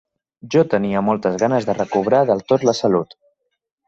Jo tenia moltes ganes de recobrar del tot la salut